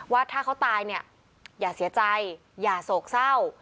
ว่าถ้าเขาตายเนี่ยอย่าเสียใจอย่าโศกเศร้า